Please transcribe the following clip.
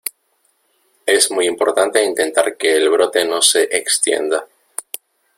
es muy importante intentar que el brote no se extienda.